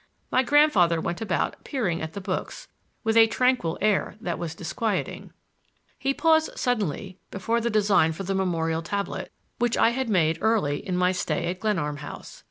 My grandfather went about peering at the books, with a tranquil air that was disquieting. He paused suddenly before the design for the memorial tablet, which I had made early in my stay at Glenarm House.